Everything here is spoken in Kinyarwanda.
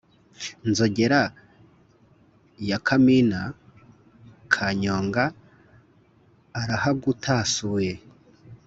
nzogera ya kamina ka nyonga arahagutasuye.